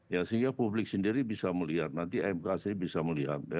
ya sehingga publik sendiri bisa melihat nanti mk sendiri bisa melihat